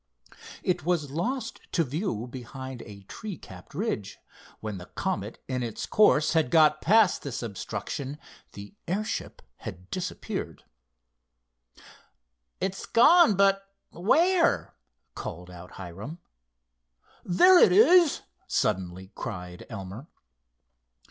It was lost to view behind a tree capped ridge. When the Comet in its course has got past this obstruction, the airship had disappeared. "It's gone, but where?" called out Hiram. "There it is," suddenly cried Elmer.